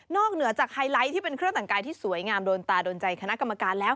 เหนือจากไฮไลท์ที่เป็นเครื่องแต่งกายที่สวยงามโดนตาโดนใจคณะกรรมการแล้ว